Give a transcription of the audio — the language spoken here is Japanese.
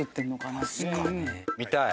見たい。